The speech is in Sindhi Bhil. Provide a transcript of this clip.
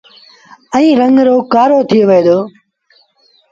ائيٚݩ رنگ رو ڪآرو ٿئي وهي دو۔